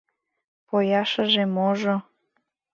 Пояшыже-можо...